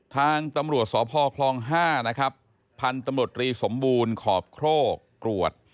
ทางตำรวจสพคลอง๕นะครับพันธุ์ตำรวจรีสมบูรณ์ขอบโครกกรวด